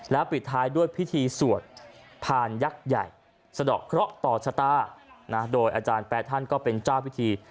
ปิดท้ายด้วยพิธีสวดผ่านยักษ์ใหญ่สะดอกเคราะห์ต่อชะตาโดยอาจารย์แปรท่านก็เป็นเจ้าพิธี